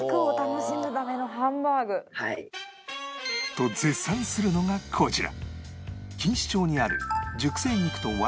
と絶賛するのがこちら